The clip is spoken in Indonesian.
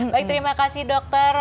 baik terima kasih dokter